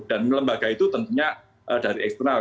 dan lembaga itu tentunya dari eksternal